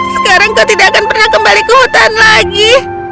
sekarang kau tidak akan pernah kembali ke hutan lagi